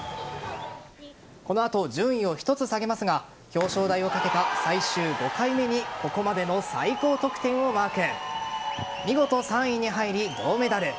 この後、順位を１つ下げますが表彰台をかけた最終５回目にここまでの最高得点をマーク。